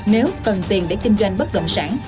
nếu cần tiền để kinh doanh bất động sản